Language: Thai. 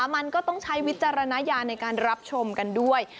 มันก็ต้องใช้วิจารณญาณในการรับชมกันด้วย